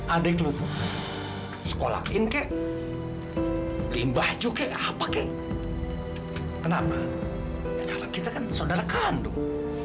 adek lu sekolah kinkai pilih baju kek pak hai kenapa kita kan saudara kandung